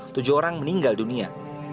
tujuh orang meninggal dunia